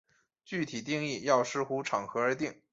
具体定义要视乎场合而定。